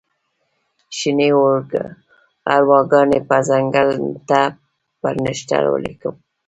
شني ارواګانې به ځنګل ته پر نښتر ولیکم